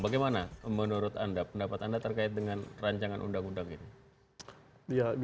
bagaimana menurut anda pendapat anda terkait dengan rancangan undang undang ini